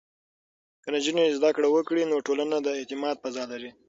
که نجونې زده کړه وکړي، نو ټولنه د اعتماد فضا لري.